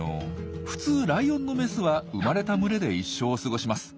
普通ライオンのメスは生まれた群れで一生を過ごします。